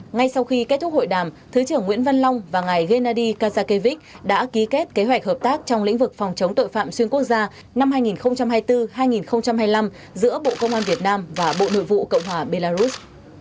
ngay sau khi kết thúc hội đàm thứ trưởng nguyễn văn long và ngài gennady kazakevich đã ký kết kế hoạch hợp tác trong lĩnh vực phòng chống tội phạm xuyên quốc gia năm hai nghìn hai mươi bốn hai nghìn hai mươi năm giữa bộ công an việt nam và bộ nội vụ cộng hòa belarus